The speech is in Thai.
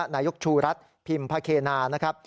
นายกชูรัฐพิมพเคนานะครับ